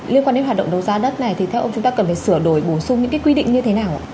liên quan đến hoạt động đấu giá đất này thì theo ông chúng ta cần phải sửa đổi bổ sung những cái quy định như thế nào ạ